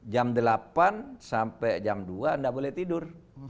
jam delapan sampai jam dua tidak boleh tidur